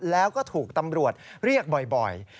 แล้วก็ถูกตำรวจเรียกบ่อย